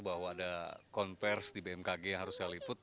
bahwa ada konversi di bmkg yang harus saya liput